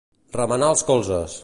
Remenar els colzes.